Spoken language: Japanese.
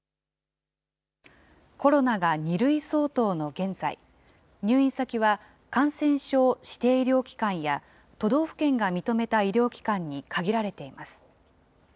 コロナが２類相当の現在、入院先は、感染症指定医療機関や都道府県が認めた医療機関に限られています。